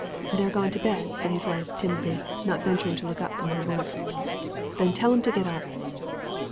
"They're gone to bed," said his wife, timidly, not venturing to look up from her work. "Then tell 'em to get up."